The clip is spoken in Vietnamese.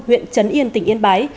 huyện trấn yên tỉnh yên bái